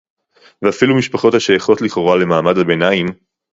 ואפילו משפחות השייכות לכאורה למעמד הביניים